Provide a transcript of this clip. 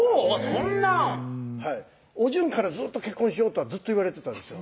そんなおじゅんから「結婚しよう」とはずっと言われてたんですよ